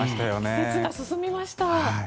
季節が進みました。